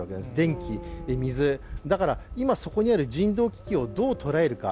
電気、水、だから、今そこにある人道危機をどう捉えるか。